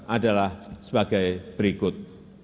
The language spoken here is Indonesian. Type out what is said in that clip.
adalah sebagai berikut